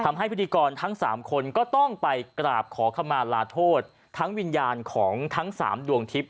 พิธีกรทั้งสามคนก็ต้องไปกราบขอขมาลาโทษทั้งวิญญาณของทั้งสามดวงทิพย